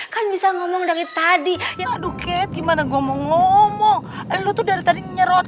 kan bisa ngomong dari tadi ya aduket gimana gua mau ngomong lu tuh dari tadi nyerot